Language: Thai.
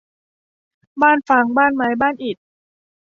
บ้านฟาง บ้านไม้ บ้านอิฐ